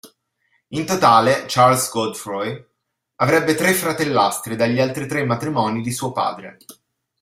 In totale Charles Godefroy avrebbe tre fratellastri dagli altri tre matrimoni di suo padre.